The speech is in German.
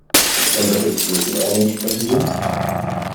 Von welcher Größenordnung sprechen wir?